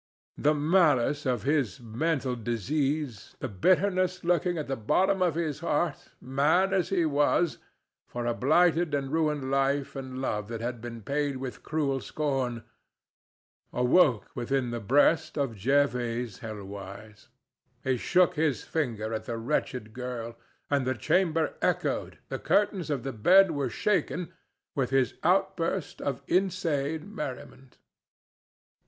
The malice of his mental disease, the bitterness lurking at the bottom of his heart, mad as he was, for a blighted and ruined life and love that had been paid with cruel scorn, awoke within the breast of Jervase Helwyse. He shook his finger at the wretched girl, and the chamber echoed, the curtains of the bed were shaken, with his outburst of insane merriment.